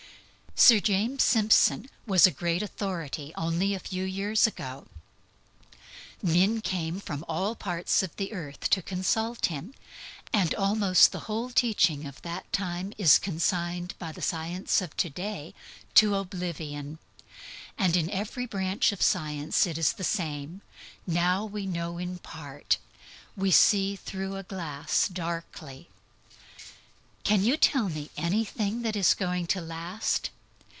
Sir James Simpson was a great authority only a few years ago: men came from all parts of the earth to consult him; and almost the whole teaching of that time is consigned by the science of to day to oblivion. And in every branch of science it is the same. "Now we know in part. We see through a glass darkly." Knowledge does not last. Can you tell me anything that is going to last?